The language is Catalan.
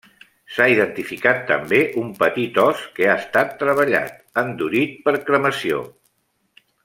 S'ha identificat també un petit ós que ha estat treballat: endurit per cremació.